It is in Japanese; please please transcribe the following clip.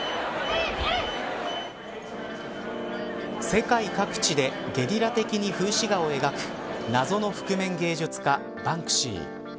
世界各地でゲリラ的に風刺画を描く謎の覆面芸術家バンクシー。